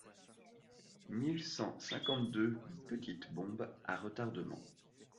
Mille cent cinquante-deux petites bombes à retardement.